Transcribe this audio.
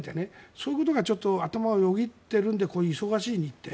そういうことが頭をよぎっているのでこういう忙しい日程。